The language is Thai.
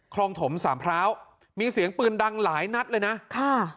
ถมสามพร้าวมีเสียงปืนดังหลายนัดเลยนะค่ะ